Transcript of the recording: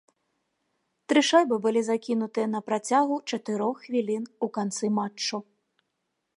Тры шайбы былі закінутыя на працягу чатырох хвілін у канцы матчу.